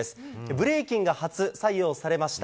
ブレイキンが初採用されました。